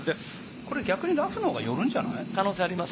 これ逆にラフのほうが寄るんじゃない？